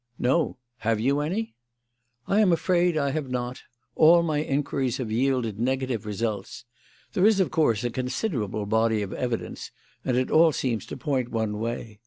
"No. Have you any?" "I am afraid I have not. All my inquiries have yielded negative results. There is, of course, a considerable body of evidence, and it all seems to point one way.